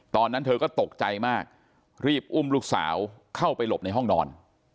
ตอนนั้นเธอก็ตกใจมากรีบอุ้มลูกสาวเข้าไปหลบในห้องนอน